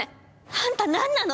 あんた何なの！